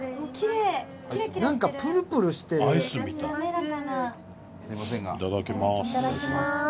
いただきます。